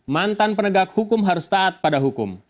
mantan penegak hukum harus taat pada hukum